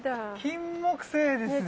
キンモクセイですよね。